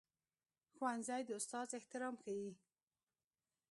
ښوونځی د استاد احترام ښيي